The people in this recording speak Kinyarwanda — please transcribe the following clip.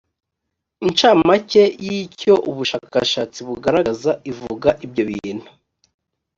incamake y’ icyo ubushakashatsi bugaragaza ivuga ibyo bintu